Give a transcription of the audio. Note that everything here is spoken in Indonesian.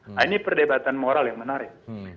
nah ini perdebatan moral yang menarik